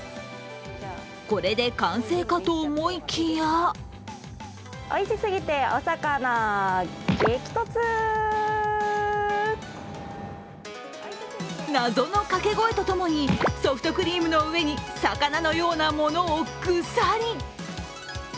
これで完成かと思いきや謎の掛け声とともにソフトクリームの上に魚のようなものを、ぐさり。